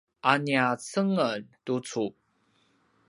a nia cengelj tucu